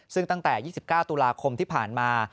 ซึ่งตั้งแต่๒๙ตุลาคมที่ผ่านมา